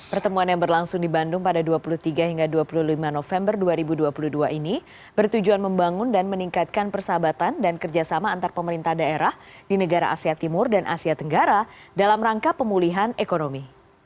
pertemuan yang berlangsung di bandung pada dua puluh tiga hingga dua puluh lima november dua ribu dua puluh dua ini bertujuan membangun dan meningkatkan persahabatan dan kerjasama antar pemerintah daerah di negara asia timur dan asia tenggara dalam rangka pemulihan ekonomi